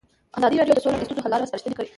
ازادي راډیو د سوله د ستونزو حل لارې سپارښتنې کړي.